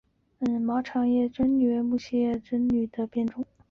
毛长叶女贞为木犀科女贞属长叶女贞的变种。